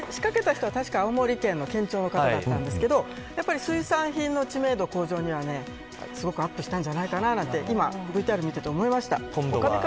これ仕掛けた人は青森県の県庁の方だったんですけど水産品の知名度向上にはすごくアップしたんじゃないかななんて今ＶＴＲを見て思いました。